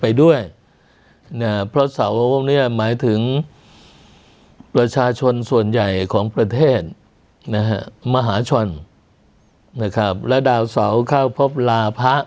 ไปด้วยเพราะเสาวงนี้หมายถึงประชาชนส่วนใหญ่ของประเทศมหาชนและดาวเสาเข้าพบลาพระ